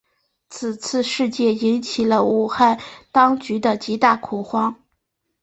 此次事件引起了武汉当局的极大恐慌。